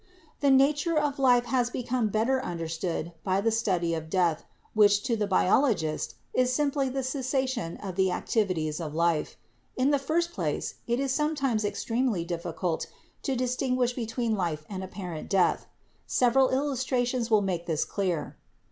The nature of life has become better understood by the study of death, which to the biologist is simply the cessa tion of the activities of life. In the first place it is some times extremely difficult to distinguish between life and apparent death. Several illustrations will make this clear.